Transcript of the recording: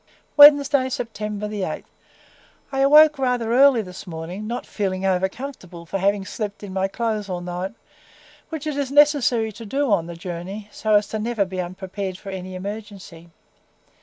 WEDNESDAY, SEPTEMBER 8. I awoke rather early this morning, not feeling over comfortable from having slept in my clothes all night, which it is necessary to do on the journey, so as never to be unprepared for any emergency.